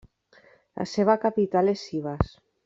La seva capital és Sivas.